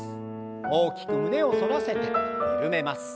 大きく胸を反らせて緩めます。